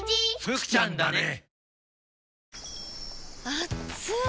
あっつい！